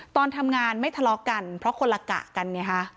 ตอนทำงานไม่ทะเลาะกันเพราะคนละกะกันไงฮะ